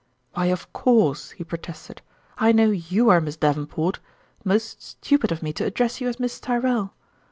" Why, of course" he protested, " I know you are Miss Davenport. Most stupid of me to address you as Miss Tyrrell